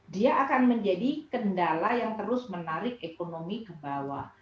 dia akan menjadi kendala yang terus menarik ekonomi ke bawah